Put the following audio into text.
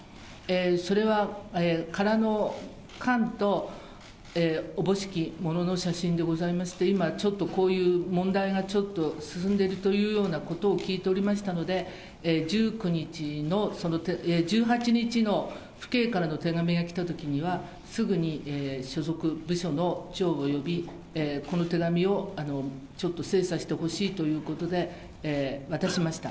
それは空の缶とおぼしきものの写真でございまして、今、ちょっとこういう問題が、ちょっと進んでいるというようなことを聞いておりましたので、１９日の、１８日の父兄からの手紙が来たときには、すぐに所属により、この手紙をちょっと精査してほしいということで渡しました。